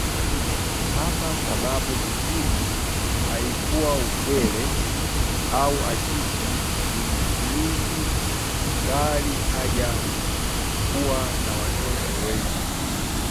Hapa sababu muhimu haikuwa ukware au ashiki nyingi bali haja ya kuwa na wototo wengi